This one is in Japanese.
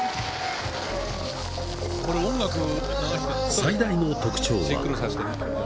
最大の特徴は。